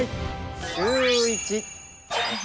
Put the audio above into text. シューイチ。